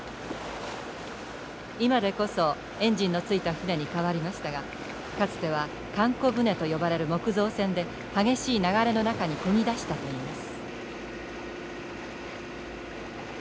今でこそエンジンのついた船にかわりましたがかつてはかんこ船と呼ばれる木造船で激しい流れの中にこぎ出したといいます。